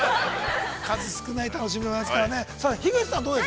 数少ない楽しみでございますからね。